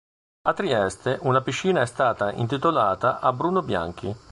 A Trieste una piscina è stata intitolata a Bruno Bianchi.